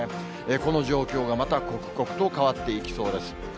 この状況がまた刻々と変わっていきそうです。